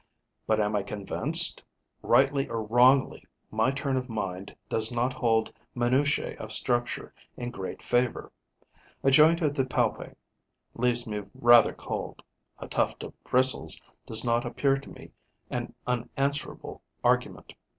But am I convinced? Rightly or wrongly, my turn of mind does not hold minutiae of structure in great favour: a joint of the palpi leaves me rather cold; a tuft of bristles does not appear to me an unanswerable argument.